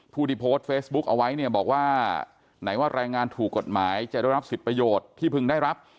ผู้ที่โพสต์เฟซบุ๊กเอาไว้เนี่ยบอกว่าไหนว่าแรงงานถูกกฎหมายจะได้รับสิทธิประโยชน์ที่เพิ่งได้รับ